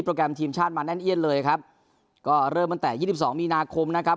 แกรมทีมชาติมาแน่นเอียนเลยครับก็เริ่มตั้งแต่ยี่สิบสองมีนาคมนะครับ